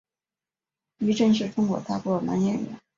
于震是中国大陆的男演员。